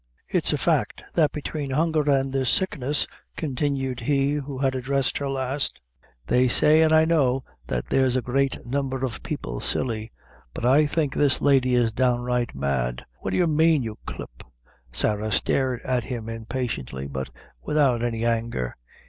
"It's a fact, that between hunger and this sickness," continued he who had addressed her last, "they say an' I know that there's great number of people silly; but I think this lady is downright mad; what do you mane, you clip?" Sarah stared at him impatiently, but without any anger.